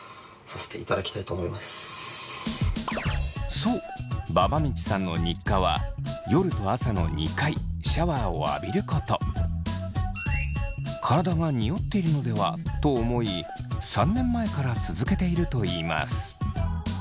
そうばばみちさんの日課は体がにおっているのではと思い３年前から続けているといいます。